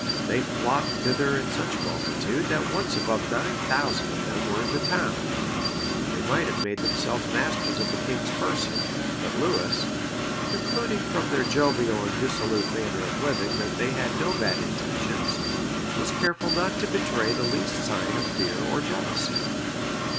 They flocked thither in such multitude that once above nine thousand of them were in the town, and they might have made themselves masters of the king's person; but Lewis, concluding from their jovial and dissolute manner of living, that they had no bad intentions, was careful not to betray the least sign of fear or jealousy.